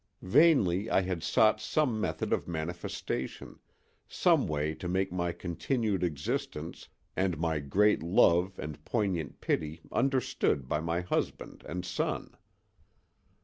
Vainly I had sought some method of manifestation, some way to make my continued existence and my great love and poignant pity understood by my husband and son.